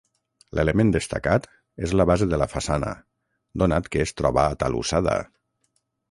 L'element destacat és la base de la façana, donat que es troba atalussada.